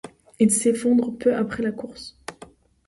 Il s'effondre peu après la course.